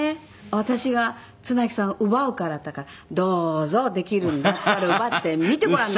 「私が綱木さんを奪うから」って言ったから「どうぞ。できるんだったら奪ってみてごらんなさい」って。